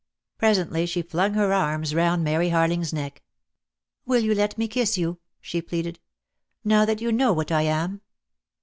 Presently she flung her arms round Mary Harling's neck. "Will you let me kiss you?" she pleaded. "Now that you know what I am."